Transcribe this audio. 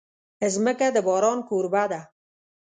مځکه د باران کوربه ده.